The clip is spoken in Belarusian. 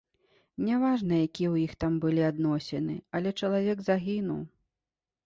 Няважна, якія ў іх там былі адносіны, але чалавек загінуў.